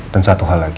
dan satu hal lagi